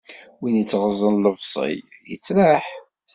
Win ittɣeẓẓen lebṣel, yettraḥ.